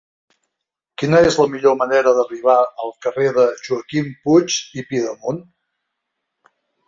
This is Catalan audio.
Quina és la millor manera d'arribar al carrer de Joaquim Puig i Pidemunt?